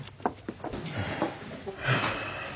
はあ。